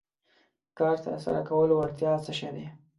کار تر سره کولو وړتیا څه شی دی.